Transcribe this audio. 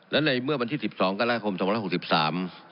และในเมื่อวันที่สิบสองกรกฎาคมสองพันหกสิบสาม